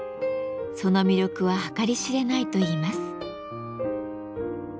その魅力は計り知れないといいます。